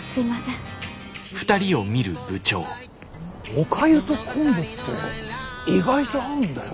おかゆと昆布って意外と合うんだよな。